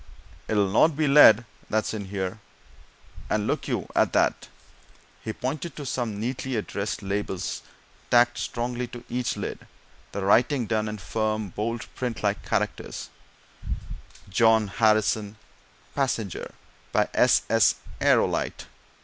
it'll not be lead that's in here! And look you at that!" He pointed to some neatly addressed labels tacked strongly to each lid the writing done in firm, bold, print like characters: _John Harrison, passenger, by S.S. Aerolite.